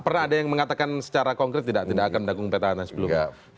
pernah ada yang mengatakan secara konkret tidak akan mendukung peta hana sebelumnya